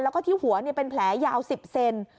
แล้วก็ที่หัวเป็นแผลยาว๑๐เซน